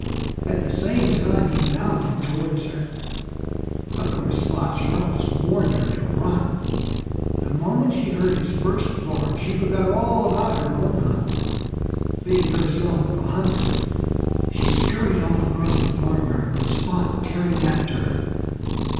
At the same time he bounded towards her. Of course Spot's yelps warned her to run. The moment she heard his first bark she forgot all about her own hunt, being herself the hunted. She scurried off across the farmyard, with Spot tearing after her.